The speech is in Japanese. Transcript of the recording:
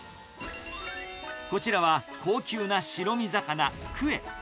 こちらは高級な白身魚、クエ。